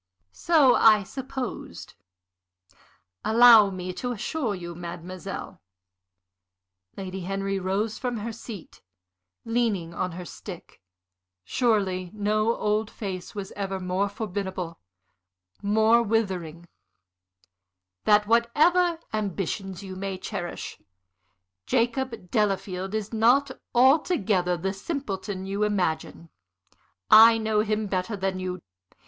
"So I supposed. Allow me to assure you, mademoiselle" Lady Henry rose from her seat, leaning on her stick; surely no old face was ever more formidable, more withering "that whatever ambitions you may cherish, Jacob Delafield is not altogether the simpleton you imagine. I know him better than you.